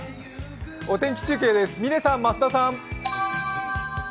お天気中継です、嶺さん、増田さん。